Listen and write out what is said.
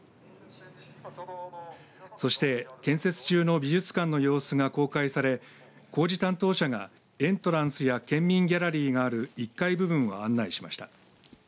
そして、建設中の美術館の様子が公開され工事担当者がエントランスや県民ギャラリーがある１階部分を案内しました。